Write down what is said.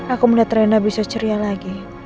aku mudah terendah bisa ceria lagi